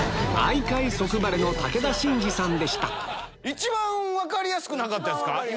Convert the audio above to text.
一番分かりやすくなかった？